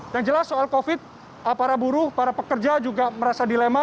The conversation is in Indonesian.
yang jelas soal covid para buruh para pekerja juga merasa dilema